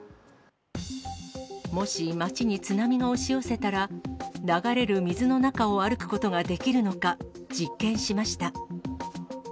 もし、街に津波が押し寄せたら、流れる水の中を歩くことができるのか実験しました。